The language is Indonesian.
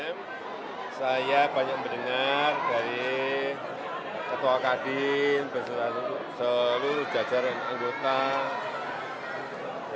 maupun dalam negeri untuk menanamkan modal